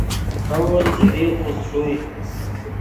ہاؤل زبیغ خوست ݰوئے